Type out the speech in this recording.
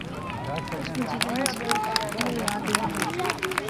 اس مجیدے ناں سلوک ایہہ یاد اینا وہا